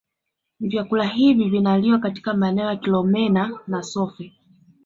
Vyakula hivi vinaliwa katika maeneo ya Kilomeni na Sofe